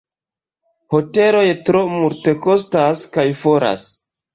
Hoteloj tro multekostas kaj foras.